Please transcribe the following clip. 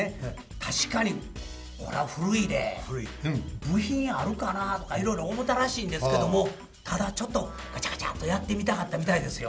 「確かにこら古いで部品あるかな？」とかいろいろ思うたらしいんですけどもただちょっとがちゃがちゃっとやってみたかったみたいですよ。